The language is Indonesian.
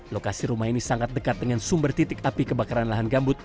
lokasi rumah ini sangat dekat dengan sumber titik api kebakaran lahan gambut